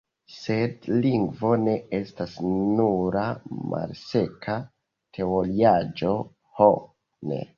Sed lingvo ne estas nura malseka teoriaĵo, ho ne!